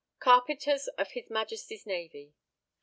_Carpenters of his Majesty's Navy.